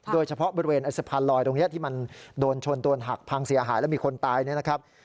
โดยเฉพาะบริเวณสะพานลอยตรงนี้ที่มันโดนชนโดนหักพังเสียหายแล้วมีคนตายเนี่ยนะครับ